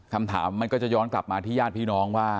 คำถามมันก็จะย้อนกลับมาที่ญาติพี่น้องว่า